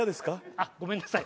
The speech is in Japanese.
あっごめんなさい。